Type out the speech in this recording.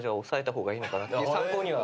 参考には。